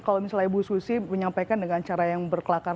kalau misalnya ibu susi menyampaikan dengan cara yang berkelakar